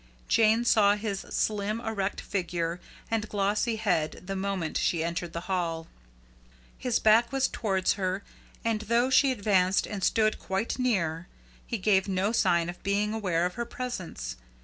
Jane saw his slim, erect figure and glossy head the moment she entered the hall. His back was towards her, and though she advanced and stood quite near, he gave no sign of being aware of her presence.